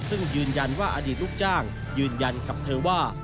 ซึ่งยืนยันว่าอดีตลูกจ้างยืนยันกับเธอว่า